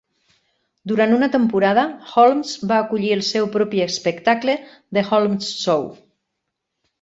Durant una temporada, Holmes va acollir el seu propi espectacle, "The Holmes Show".